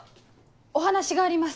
お話があります。